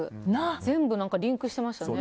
全部リンクしてましたね。